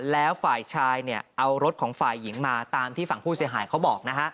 แล้วฝ่ายชายเอารถของฝ่ายหญิงมาตามที่ฝั่งผู้เสียหายเขาบอกนะฮะ